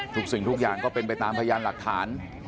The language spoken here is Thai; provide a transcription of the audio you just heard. สิ่งทุกอย่างก็เป็นไปตามพยานหลักฐาน